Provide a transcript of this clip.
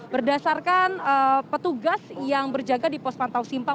berdasarkan petugas yang berjaga di pos pantau simpang